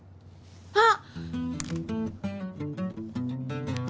あっ！